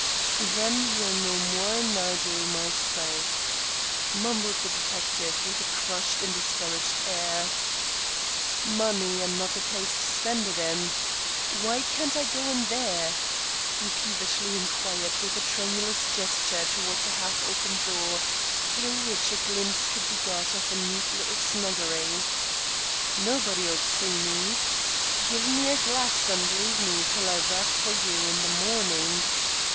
"Then, he'll know mor'n I do myself," mumbled the detective, with a crushed and discouraged air. "Money and not a place to spend it in! Why can't I go in there?" he peevishly inquired with a tremulous gesture towards a half open door through which a glimpse could be got of a neat little snuggery. "Nobody'll see me. Give me a glass and leave me till I rap for you in the morning.